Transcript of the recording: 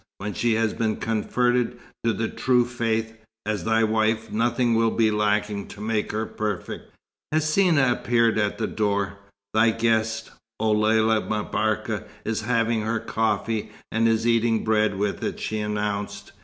When she has been converted to the True Faith, as thy wife, nothing will be lacking to make her perfect." Hsina appeared at the door. "Thy guest, O Lella M'Barka, is having her coffee, and is eating bread with it," she announced.